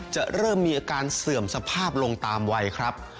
จะเริ่มมีอาการเสื่อมสภาพลงตามวัยครับ